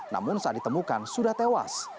namun saat ditemukan sudah tewas